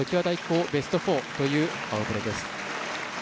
常磐大高ベスト４というこの成績です。